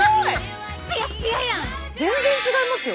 全然違いますよ。